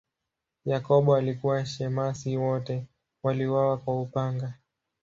Yakobo alikuwa shemasi, wote waliuawa kwa upanga.